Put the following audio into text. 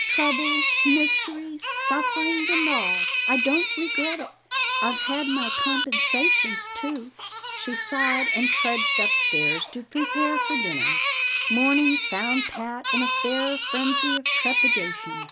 "Trouble, mystery, suffering and all I don't regret it! I've had my compensations too." She sighed and trudged upstairs to prepare for dinner. Morning found Pat in a fair frenzy of trepidation.